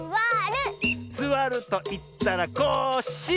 「すわるといったらコッシー！」